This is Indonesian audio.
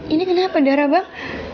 ini kenapa darah bang